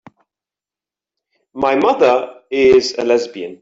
My mother is a lesbian.